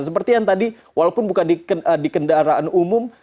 seperti yang tadi walaupun bukan di kendaraan umum